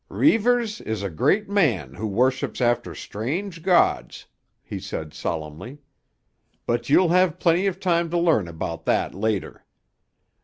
"Reivers is a great man who worships after strange gods," he said solemnly. "But you'll have plenty of time to learn about that later.